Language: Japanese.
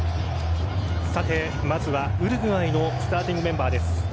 さて、まずはウルグアイのスターティングメンバーです。